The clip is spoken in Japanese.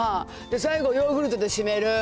最後、ヨーグルトで締める。